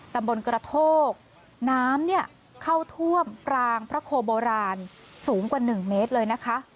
ตำบลกระโทกน้ำเนี่ยเข้าท่วมรางพระโคโบราณสูงกว่า๑เมตรเลยนะคะ